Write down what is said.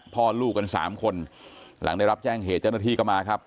พ่อลูกกันสามคนหลังได้รับแจ้งเหตุเจ้าหน้าที่ก็มาครับ